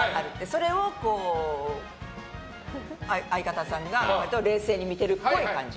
それを相方さんが冷静に見てるっぽい感じ。